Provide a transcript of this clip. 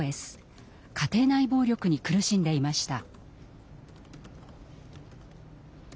家庭内暴力に苦しんでいました。